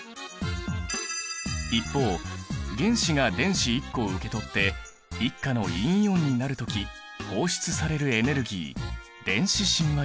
一方原子が電子１個を受け取って１価の陰イオンになる時放出されるエネルギー電子親和力。